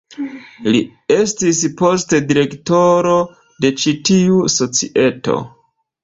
Li estis poste direktoro de ĉi-tiu societo.